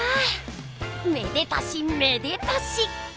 めでたしめでたし！